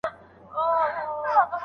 ایا ځايي کروندګر انځر پلوري؟